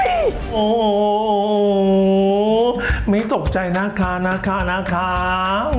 โอ้โหไม่ตกใจนะคะนะคะนะคะ